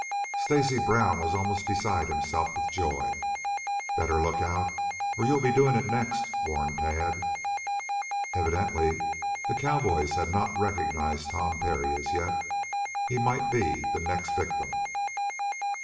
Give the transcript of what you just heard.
Stacy Brown was almost beside himself with joy. "Better look out, or you'll be doing it next," warned Tad. Evidently the cowboys had not recognized Tom Parry as yet. He might be the next victim.